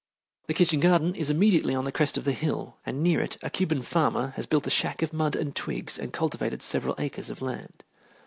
The kitchen garden is immediately on the crest of the hill, and near it a Cuban farmer has built a shack of mud and twigs and cultivated several acres of land.